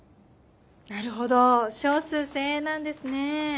なるほど少数精鋭なんですねぇ。